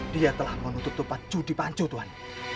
dia telah menutup tempat judi panco tuhan